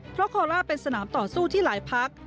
เพราะโคล่าเป็นสนามต่อสู้ที่หลายพัก